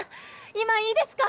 今いいですか？